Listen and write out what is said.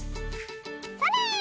それ！